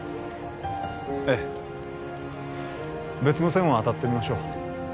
ええ別の線を当たってみましょう